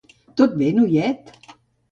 Tot bé, noiet?